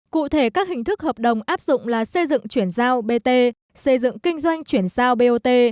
cụ thể các hình thức hợp đồng áp dụng là xây dựng chuyển giao bt xây dựng kinh doanh chuyển giao bot